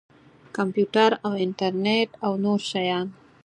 کمپیوټر او انټرنټ او نور شیان.